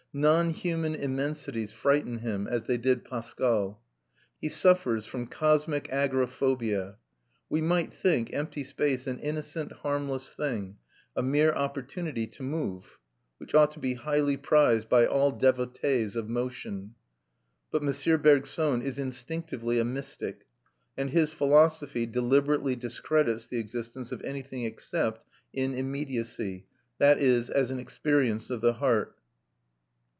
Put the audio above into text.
Non human immensities frighten him, as they did Pascal. He suffers from cosmic agoraphobia. We might think empty space an innocent harmless thing, a mere opportunity to move, which ought to be highly prized by all devotees of motion. But M. Bergson is instinctively a mystic, and his philosophy deliberately discredits the existence of anything except in immediacy, that is, as an experience of the heart.